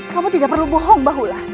kamu tidak perlu bohong bahula